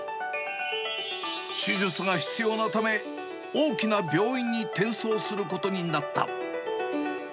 手術が必要なため、大きな病院に転送することになった。